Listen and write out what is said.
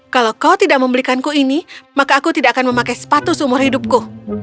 kalau kau tidak membelikanku ini maka aku tidak akan memakai sepatu seumur hidupku